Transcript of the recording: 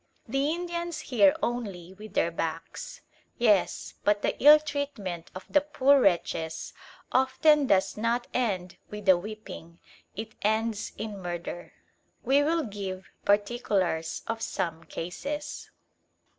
"The Indians hear only with their backs." Yes, but the ill treatment of the poor wretches often does not end with a whipping: it ends in murder. We will give particulars of some cases.